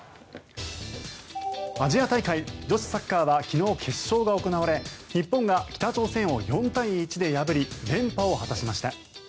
アジア大会女子サッカーは昨日、決勝が行われ日本が北朝鮮を４対１で破り連覇を果たしました。